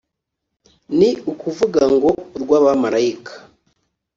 ni ukuvuga ngo urw abamarayika